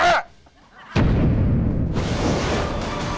แอบ